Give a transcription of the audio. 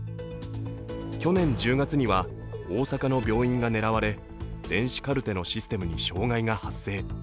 去年１０月には大阪の病院が狙われ、電子カルテのシステムに障害が発生。